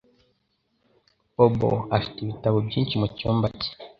Bob afite ibitabo byinshi mucyumba cye.